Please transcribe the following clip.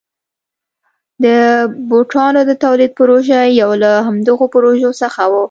د بوټانو د تولید پروژه یو له همدغو پروژو څخه وه.